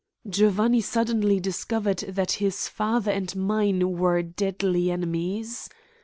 "Giovanni suddenly discovered that his father and mine were deadly enemies.